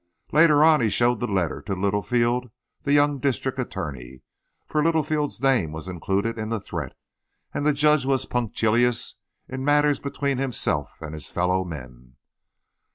Later on he showed the letter to Littlefield, the young district attorney, for Littlefield's name was included in the threat, and the judge was punctilious in matters between himself and his fellow men.